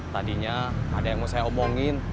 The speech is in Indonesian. tadinya ada yang mau saya omongin